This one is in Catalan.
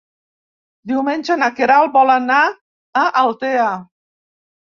Diumenge na Queralt vol anar a Altea.